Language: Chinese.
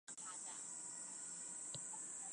于八月至九月初展开连胜佳绩。